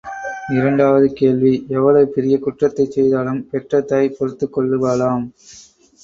இரண்டாவது கேள்வி எவ்வளவு பெரிய குற்றத்தைச் செய்தாலும் பெற்ற தாய் பொறுத்துக் கொள்ளுவாளாம்.